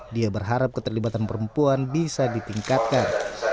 dia berharap keterlibatan perempuan bisa ditingkatkan